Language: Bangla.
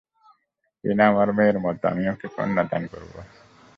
টিনা আমার মেয়ের মতো, আমি ওকে কন্যাদান করবো।